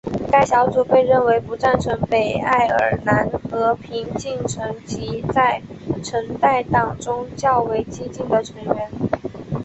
该小组被认为不赞成北爱尔兰和平进程及在橙带党中较为激进的成员。